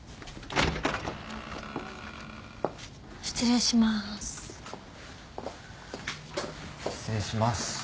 失礼しまーす。